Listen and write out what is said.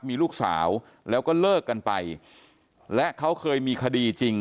มีลูกสาวแล้วก็เลิกกันไปและเขาเคยมีคดีจริง